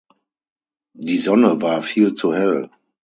Die Sonne war viel zu hell.